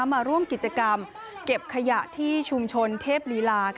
มาร่วมกิจกรรมเก็บขยะที่ชุมชนเทพลีลา